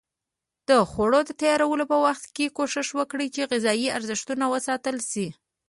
د خوړو د تیارولو په وخت کې کوښښ وکړئ چې غذایي ارزښت وساتل شي.